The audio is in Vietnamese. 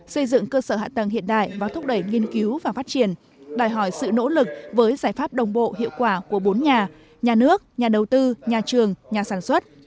xây dựng cơ sở hạ tầng hiện đại và thúc đẩy nghiên cứu và phát triển đòi hỏi sự nỗ lực với giải pháp đồng bộ hiệu quả của bốn nhà nhà nước nhà đầu tư nhà trường nhà sản xuất